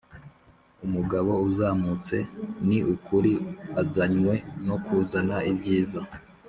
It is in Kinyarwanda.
umugabo uzamutse Ni ukuri azanywe no kuzana ibyiza